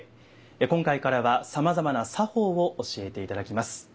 今回からはさまざまな作法を教えて頂きます。